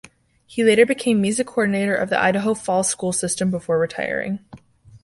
He later became music coordinator of the Idaho Falls School System before retiring.